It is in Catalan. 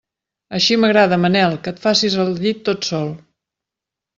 Així m'agrada, Manel, que et facis el llit tot sol.